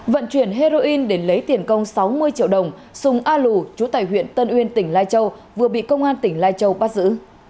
vận chuyển heroin để lấy tiền công sáu mươi triệu đồng sùng a lù chú tài huyện tân uyên tỉnh lai châu vừa bị công an tỉnh lai châu bắt giữ